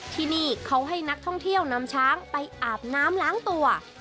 ที่นี่เขาให้นักท่องเที่ยวนำช้างไปอาบน้ำล้างตัว